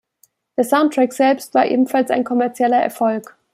Der Soundtrack selbst war ebenfalls ein kommerzieller Erfolg.